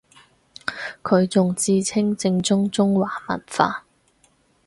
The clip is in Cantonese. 佢仲自稱正宗中華文化